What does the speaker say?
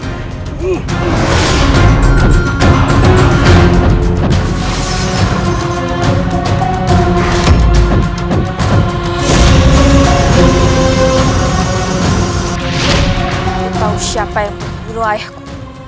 aku tahu siapa yang membunuh ayahku